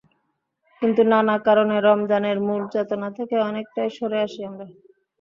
কিন্তু নানা কারণে রমজানের মূল চেতনা থেকে অনেকটাই সরে আসি আমরা।